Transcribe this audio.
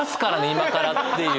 今からっていう。